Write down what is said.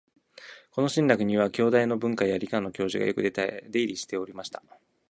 この「信楽」には、京大の文科や理科の教授がよく出入りしておりました